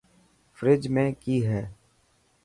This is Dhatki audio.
فريج ۾ ڪئي هي.